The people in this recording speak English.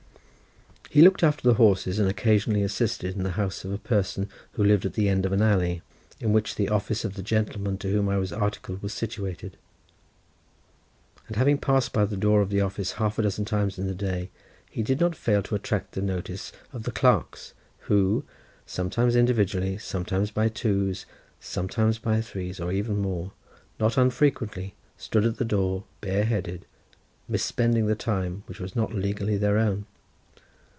He looked after the horses, and occasionally assisted in the house of a person who lived at the end of an alley, in which the office of the gentleman to whom I was articled was situated, and having to pass by the door of the office half a dozen times in the day, he did not fail to attract the notice of the clerks, who, sometimes individually, sometimes by twos, sometimes by threes, or even more, not unfrequently stood at the door, bareheaded—mis spending the time which was not legally their own.